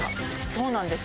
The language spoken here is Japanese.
そうなんです。